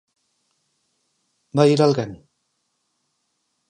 Vai ir alguén?